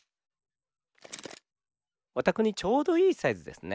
おたくにちょうどいいサイズですね。